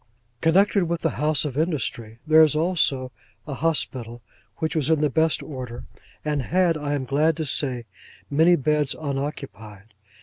Connected with the House of Industry, there is also an Hospital, which was in the best order, and had, I am glad to say, many beds unoccupied.